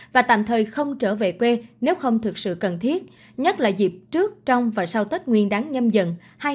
và tạm thời không trở về quê nếu không thực sự cần thiết nhất là dịp trước trong và sau tết nguyên đáng nhâm dận hai nghìn hai mươi hai